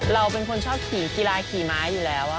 เราเป็นคนชอบขี่กีฬาขี่ม้าอยู่แล้ว